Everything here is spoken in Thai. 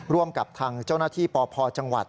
ร่วมกับทางเจ้าหน้าที่ปพจังหวัด